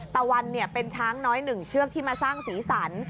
ตะวันเป็นช้างน้อย๑เชือกที่มาสร้างศีรษร